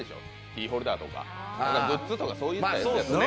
キーホルダーとか、グッズとか。